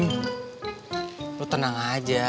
mas lu tenang aja